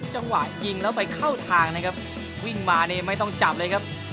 จังหวะยิงแล้วไปเข้าทางนะครับวิ่งมานี่ไม่ต้องจับเลยครับ